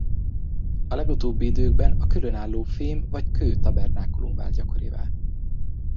A legutóbbi időkben a különálló fém vagy kő tabernákulum vált gyakorivá.